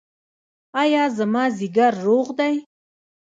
ایا زما ځیګر روغ دی؟